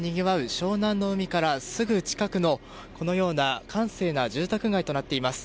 湘南の海からすぐ近くの、このような閑静な住宅街となっています。